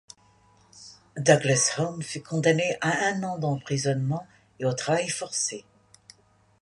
Douglas Home fut condamné à un an d'emprisonnement et au travail forcé.